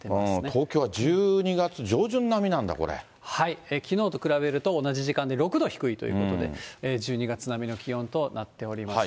東京は１２月上旬並みなんだ、きのうと比べると同じ時間で６度低いということで、１２月並みの気温となっております。